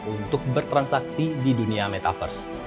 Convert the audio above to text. untuk bertransaksi di dunia metaverse